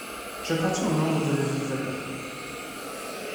J’appartiens aux méandres de la vie vagabonde.